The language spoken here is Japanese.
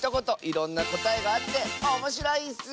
いろんなこたえがあっておもしろいッス！